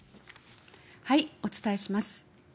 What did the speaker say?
はい、お伝えします。